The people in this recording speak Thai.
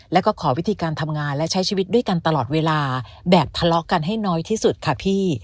แล้วก็ขอวิธีการทำงานและใช้ชีวิตด้วยกันตลอดเวลาแบบทะเลาะกันให้น้อยที่สุดค่ะพี่